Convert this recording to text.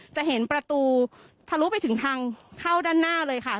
จะเห็นประตูทะลุไปถึงทางเข้าด้านหน้าเลยค่ะ